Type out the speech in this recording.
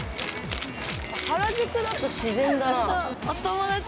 原宿だと自然だなあ。